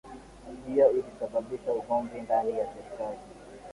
hiyo ilisababisha ugomvi ndani ya serikali yake